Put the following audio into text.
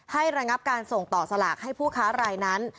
ระงับการส่งต่อสลากให้ผู้ค้ารายนั้น